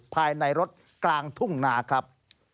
ภายในรถกลางทุ่งนาครับ